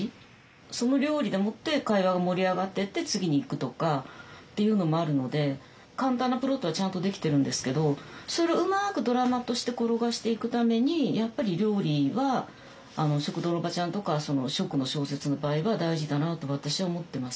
その料理でもって会話が盛り上がってって次に行くとかっていうのもあるので簡単なプロットはちゃんと出来てるんですけどそれをうまくドラマとして転がしていくためにやっぱり料理は「食堂のおばちゃん」とか食の小説の場合は大事だなと私は思ってます。